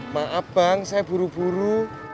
maaf bang saya buru buru